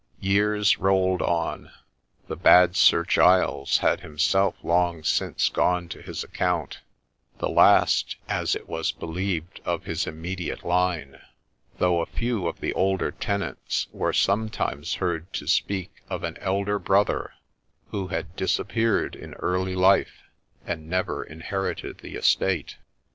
Years rolled on : the ' Bad Sir Giles ' had himself long since gone to his account, the last, as it was believed, of his immediate fine ; though a few of the older tenants were sometimes heard to speak of an elder brother, who had disappeared in early life, and never inherited the estate.